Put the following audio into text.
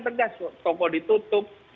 tegas toko ditutup